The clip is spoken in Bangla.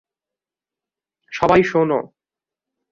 সবাই, শোন!